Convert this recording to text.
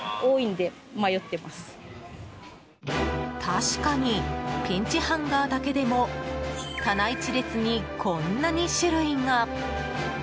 確かにピンチハンガーだけでも棚１列にこんなに種類が。